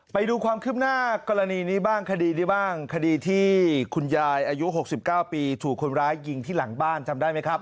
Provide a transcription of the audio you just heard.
ไปดูความคืบหน้ากรณีนี้บ้างคดีนี้บ้างคดีที่คุณยายอายุ๖๙ปีถูกคนร้ายยิงที่หลังบ้านจำได้ไหมครับ